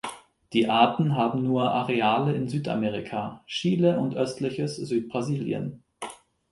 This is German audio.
Die Arten haben nur Areale in Südamerika: Chile und östliches Südbrasilien.